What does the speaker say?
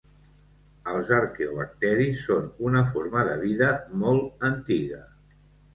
Els arqueobacteris són una forma de vida molt antiga.